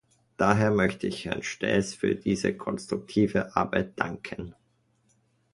Daher möchte ich Herrn Staes für diese konstruktive Arbeit danken.